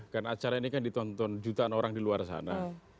karena acara ini ditonton jutaan orang di luar sana